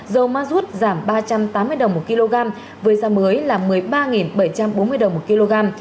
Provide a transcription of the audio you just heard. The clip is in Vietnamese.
dầu ma rút giảm ba trăm tám mươi đồng một kg với giá mới là một mươi ba bảy trăm bốn mươi đồng một kg